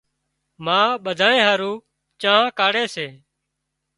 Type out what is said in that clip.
ما ٻڌانئين هارو چانه ڪاڙهي سي